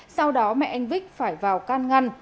sau đó mẹ anh vích phải vào can ngăn